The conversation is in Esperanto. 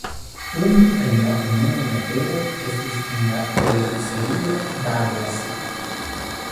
Unu el unuaj aperoj estis en la televidserio Dallas.